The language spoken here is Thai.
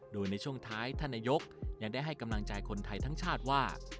โดยในช่วงท้ายท่านนายกยังได้ให้กำลังใจคนไทยทั้งชาติว่า